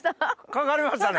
かかりましたね！